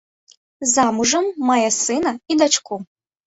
Замужам, мае сына і дачку.